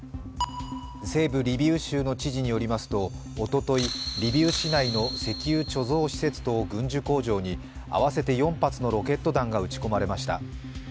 西部リビウ州の知事によりますと、おととい、リビウ市内の石油貯蔵施設と軍需工場に合わせて４発のロケット弾が撃ち込まれました。